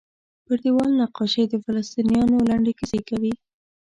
پر دیوال نقاشۍ د فلسطینیانو لنډې کیسې کوي.